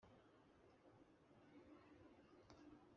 Bavandimwe b’uru Rwanda rwacu twese